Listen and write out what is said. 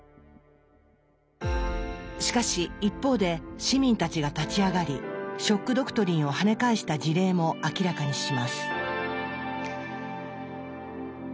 しかし一方で市民たちが立ち上がり「ショック・ドクトリン」を跳ね返した事例も明らかにします。